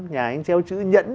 nhà anh treo chữ nhẫn